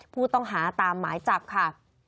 ผู้ต้องหาตามหมายจับค่ะ